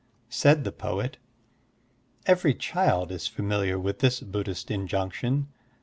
Said the poet, "Every child is familiar with this Buddhist injunction.